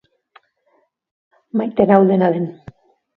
Maite nau, dena den.